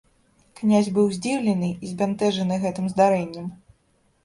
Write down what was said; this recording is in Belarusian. Князь быў здзіўлены і збянтэжаны гэтым здарэннем.